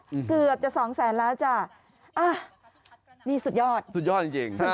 เกือบจะสองแสนแล้วจ้ะอ่ะนี่สุดยอดสุดยอดจริงจริงใช่